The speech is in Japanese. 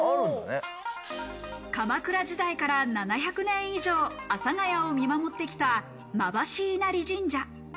鎌倉時代から７００年以上、阿佐ヶ谷を見守ってきた馬橋稲荷神社。